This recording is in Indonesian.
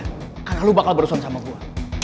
karena lo bakal berusaha sama gue